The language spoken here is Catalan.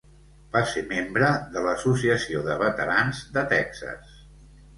Va ser membre de l'Associació de veterans de Texas.